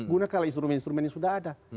gunakan instrumen instrumen yang sudah ada